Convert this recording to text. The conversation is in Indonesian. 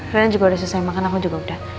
ya reina juga udah selesai makan aku juga udah